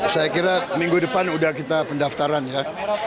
saya kira minggu depan udah kita pendaftaran ya